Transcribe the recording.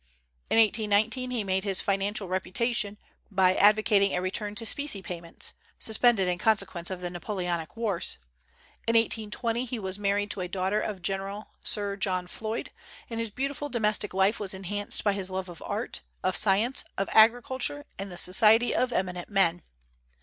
In 1819 he made his financial reputation by advocating a return to specie payments, suspended in consequence of the Napoleonic wars. In 1820 he was married to a daughter of General Sir John Floyd, and his beautiful domestic life was enhanced by his love of art, of science, of agriculture, and the society of eminent men.